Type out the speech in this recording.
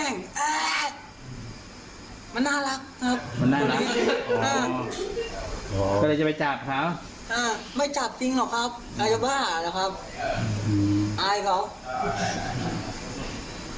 อ๋อน้ำใจใช่ไหม